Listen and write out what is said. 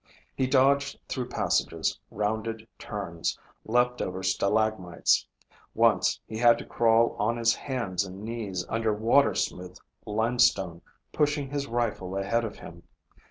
He dodged through passages, rounded turns, leaped over stalagmites. Once he had to crawl on his hands and knees under water smooth limestone, pushing his rifle ahead of him.